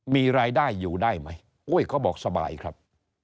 มีรายได้อยู่ได้ไหมอุ้ยเขาบอกสบายครับ